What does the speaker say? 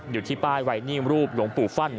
อยู่ที่ป้ายไวนิ่มรูปหลวงปู่ฟั่น